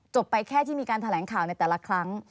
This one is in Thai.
ไปแค่ที่มีการแถลงข่าวในแต่ละครั้ง